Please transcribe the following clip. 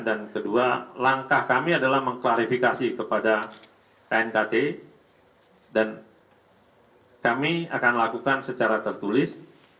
dan kedua langkah kami adalah mengklarifikasi kepada knkt dan kami akan lakukan secara tertulis